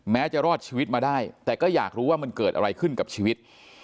จะรอดชีวิตมาได้แต่ก็อยากรู้ว่ามันเกิดอะไรขึ้นกับชีวิต